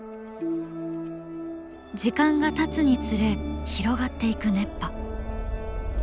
時間がたつにつれ広がっていく熱波。